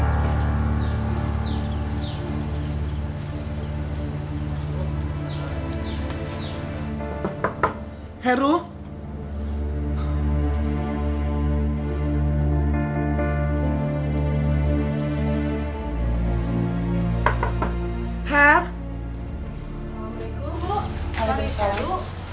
assalamualaikum bu cari heru